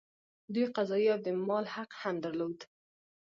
دوی قضايي او د مال حق هم درلود.